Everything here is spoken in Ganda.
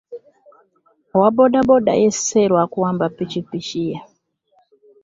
Owa bodaboda yesse lwa kuwamba ppiikippiki ye.